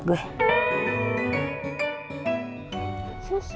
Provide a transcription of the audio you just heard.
tapi saya masih penuh sarapan